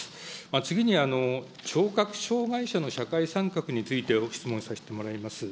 次に聴覚障害者の社会参画について、ご質問させてもらいます。